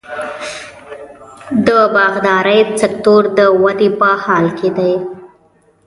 د باغدارۍ سکتور د ودې په حال کې دی.